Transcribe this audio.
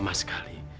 mama sama sekali